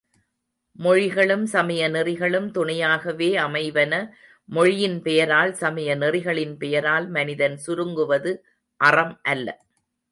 மொழிகளும், சமய நெறிகளும் துணையாகவே அமைவன மொழியின் பெயரால், சமய நெறிகளின் பெயரால், மனிதன் சுருங்குவது அறம் அல்ல.